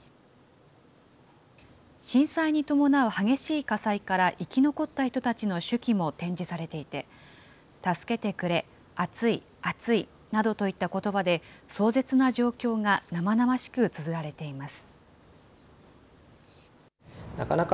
震災に伴う激しい火災から生き残った人たちの手記も展示されていて、助けてくれ、熱い、熱いなどといったことばで壮絶な状況が生々しくつづられています。